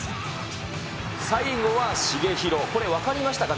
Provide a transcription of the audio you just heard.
最後はしげひろ、これ、分かりましたか？